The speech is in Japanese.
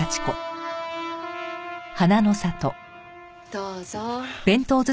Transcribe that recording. どうぞ。